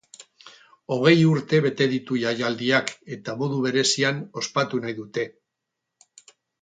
Hogei urte bete ditu jaialdiak, eta modu berezian ospatu nahi dute.